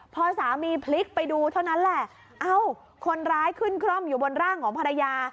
พอสามีพลิกไปดูเท่านั้นแหละเอ้าคนร้ายขึ้นคร่อมอยู่บนร่างของภรรยา